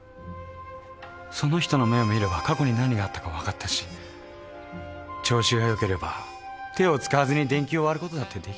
その人の目を見れば過去に何があったか分かったし調子がよければ手を使わずに電球を割ることだってできた。